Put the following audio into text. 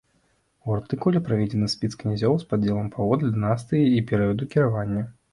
У артыкуле прыведзены спіс князёў з падзелам паводле дынастыі і перыяду кіравання.